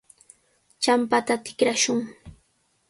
Champata tikrashun.